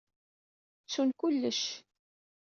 Ttun kullec.